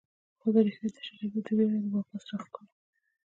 خو د ريښو د شلېدو د وېرې د واپس راښکلو